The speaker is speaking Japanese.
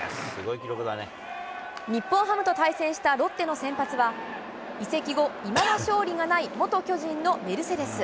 日本ハムと対戦したロッテの先発は、移籍後、いまだ勝利がない元巨人のメルセデス。